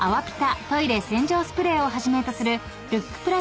ピタトイレ洗浄スプレーをはじめとするルック